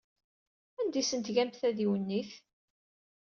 Anda ay asen-tgamt tadiwennit?